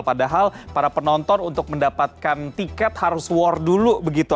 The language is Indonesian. padahal para penonton untuk mendapatkan tiket harus war dulu begitu